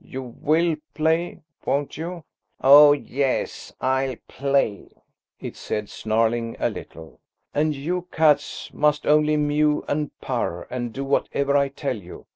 "You will play, won't you?" "Oh, yes, I'll play!" it said, snarling a little. "And you cats must only mew and purr, and do whatever I tell you.